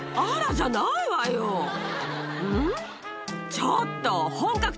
ちょっと。